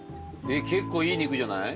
結構いい肉じゃない？